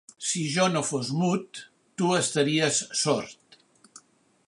Si jo no fos mut, tu estaries sord.